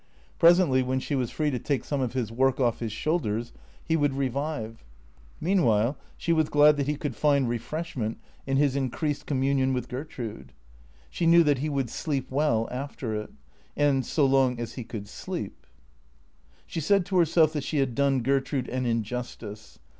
Presently, when she was free to take some of his work off his shoulders, he would revive. Meanwhile she was glad that he could find refreshment in his increased communion with Ger trude. She knew that he' would sleep well after it. And so long as he could sleep She said to herself that she had done Gertrude an injustice.